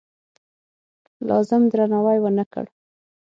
لازم درناوی ونه کړ.